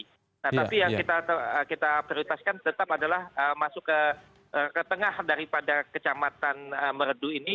nah tapi yang kita prioritaskan tetap adalah masuk ke tengah daripada kecamatan merdu ini